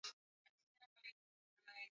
Mti Mrefu Sana wa Amazon Umepata mrefu